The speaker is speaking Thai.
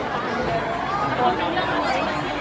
การรับความรักมันเป็นอย่างไร